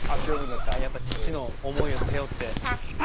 やっぱり父の思いを背負って。